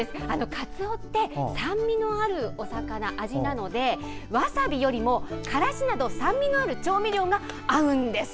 かつおって酸味のあるお魚なのでわさびよりもからしなど酸味のある調味料が合うんです。